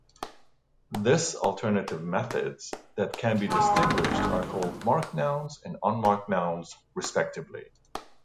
This alternative methods that can be distinguished are called marked nouns and unmarked nouns respectively.